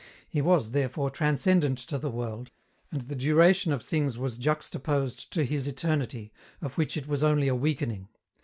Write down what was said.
He was, therefore, transcendent to the world, and the duration of things was juxtaposed to His eternity, of which it was only a weakening.